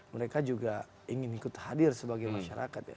mereka juga ingin ikut hadir sebagai masyarakat ya